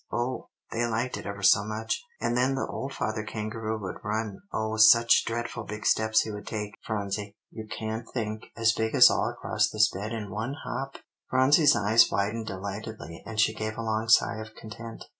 "Oh! they liked it ever so much. And then the old father kangaroo would run oh, such dreadful big steps he would take, Phronsie, you can't think, as big as all across this bed in one hop!" Phronsie's eyes widened delightedly, and she gave a long sigh of content.